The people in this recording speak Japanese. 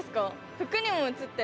服にも映ってる。